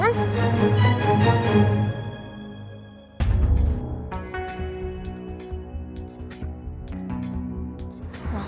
sampai ketemu besok malem ya